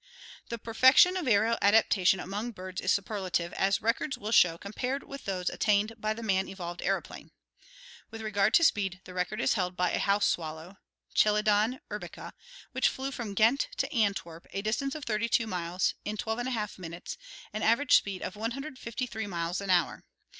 The perfection of aerial adaptation among birds is superlative, as records will show compared with those attained by the man evolved aeroplane. With re gard to speed, the record is held by a house swallow (Chdidan wrbica) which flew from Ghent to Antwerp, a distance of 32 miles, in 12H min utes, an average speed of 153 miles an hour.